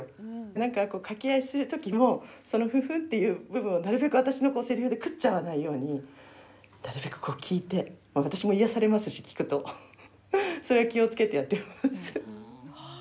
なんか掛け合いする時もその「ふふ」っていう部分を私のせりふで食っちゃわないようになるべくこう聞いて私も癒やされますし聞くとそれは気をつけてやってます。